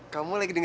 kamu lagi di rumah